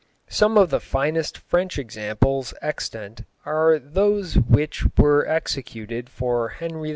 Some of the finest French examples extant are those which were executed for Henry II.